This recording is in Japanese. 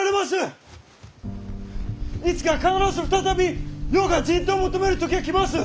いつか必ず再び世が人痘を求める時が来ます。